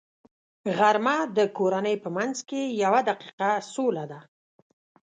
غرمه د کورنۍ په منځ کې یوه دقیقه سوله ده